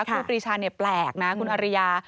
ครูปรีชาแปลกนะคุณอริยา